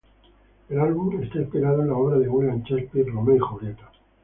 El álbum está inspirado en la obra de William Shakespeare Romeo y Julieta.